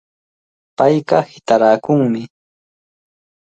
Payqa hitaraakunmi.